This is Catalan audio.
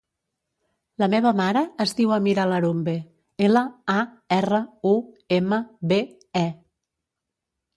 La meva mare es diu Amira Larumbe: ela, a, erra, u, ema, be, e.